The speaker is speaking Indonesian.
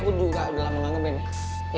waduh udah lama nggak nge ban ya